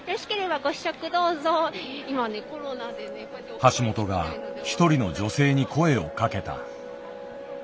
橋本が一人の女性に声をかけた。